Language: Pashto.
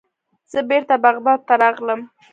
زه بیرته بغداد ته راغلم.